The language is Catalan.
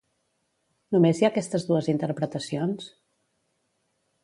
Només hi ha aquestes dues interpretacions?